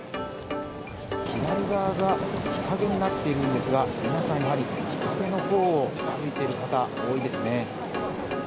左側が日陰になっているんですが、皆さんやはり日陰のほうを歩いている方、多いですね。